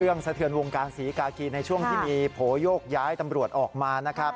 สะเทือนวงการศรีกากีในช่วงที่มีโผล่โยกย้ายตำรวจออกมานะครับ